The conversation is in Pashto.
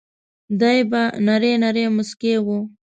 دای به نری نری مسکی و.